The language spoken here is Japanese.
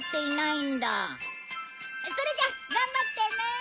それじゃ頑張ってね。